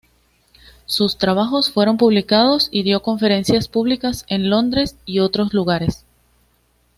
Sus trabajos fueron publicados, y dio conferencias públicas en Londres y otros lugares.